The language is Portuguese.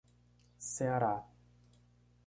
Ceará